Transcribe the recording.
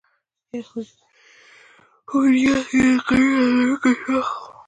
هوډیال یعني قوي عظم لرونکی شخص